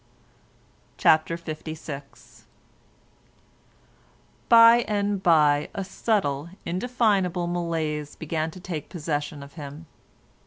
CHAPTER LVI By and by a subtle, indefinable malaise began to take possession of him.